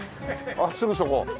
あっすぐそこ。